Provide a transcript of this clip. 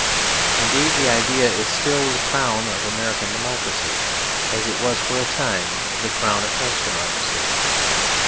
Indeed, the idea is still the crown of American democracy, as it was for a time the crown of French democracy.